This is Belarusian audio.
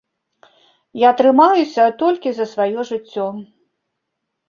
Я трымаюся толькі за сваё жыццё.